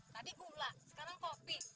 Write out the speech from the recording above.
tadi gula sekarang kopi